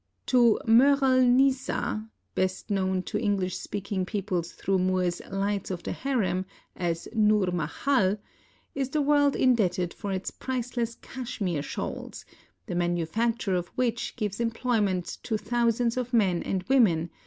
To Mheural Nisa, best known to English speaking peoples through Moore's " Light of the Harem " as Nourmahal, is the world indebted for its priceless Cashmere shawls, the manufact ure of which gives employment to thousands of men and women, 482 THE NORTH AMERICAN REVIEW.